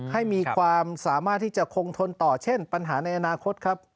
ให้มีความสามารถที่จะคงทนต่อเช่นปัญหาในอนาคตครับ